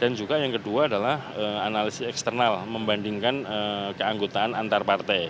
dan juga yang kedua adalah analisis eksternal membandingkan keanggotaan antar partai